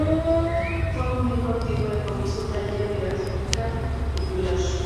Fue un miembro activo del famoso Taller de Gráfica Popular.